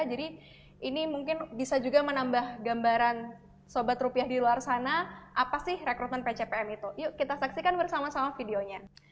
jadi ini mungkin bisa juga menambah gambaran sobat rupiah di luar sana apa sih rekrutmen pcpm itu yuk kita saksikan bersama sama videonya